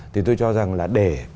thì tôi cho rằng là để